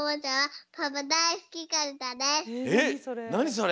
それ。